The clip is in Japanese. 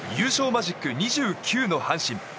マジック２９の阪神。